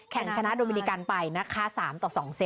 แข่งชนะโดมริกันไปนะคะ๓ต่อ๒เซต